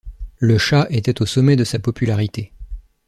Le Shah était au sommet de sa popularité.